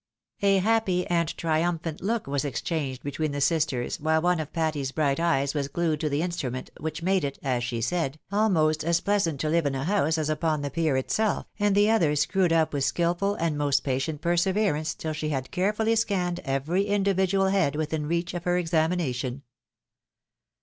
A happy and triumphant look was exchanged between the sisters, while one of Patty's bright eyes was glued to the instru ment, which made it, as she said, almost as pleasant to live in a house, as upon the pier itself, and the other screwed ujp with skilful and most patient perseverance till she had carefully scanned every individual head within reach of her examination.